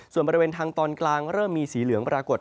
ส่วนบริเวณทางตอนกลางเริ่มมีสีเหลืองปรากฏ